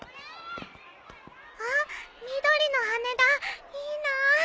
あっ緑の羽根だ。いいな！